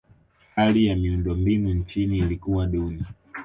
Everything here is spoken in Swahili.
hali ya miundombinu nchini ilikuwa duni